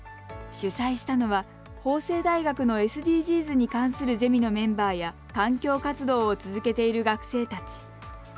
主催したのは、法政大学のＳＤＧｓに関するゼミのメンバーや環境活動を続けている学生たち。